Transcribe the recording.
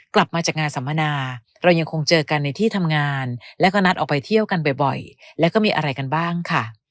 กลับมาจากงานสัมมนาเรายังคงเจอกันในที่ทำงานแล้วก็นัดออกไปเที่ยวกันบ่อยแล้วก็มีอะไรกันบ้างค่ะ